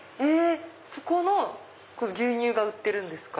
そこの牛乳が売ってるんですか？